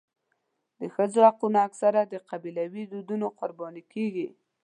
د ښځو حقونه اکثره د قبیلوي دودونو قرباني کېږي.